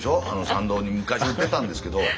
参道に昔売ってたんですけど。